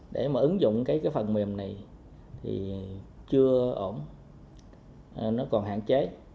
để ứng dụng phần mềm này chưa ổn nó còn hạn chế